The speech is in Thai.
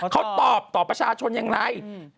เขาตอบต่อประชาชนอย่างไร